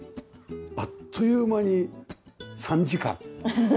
あっという間に３時間。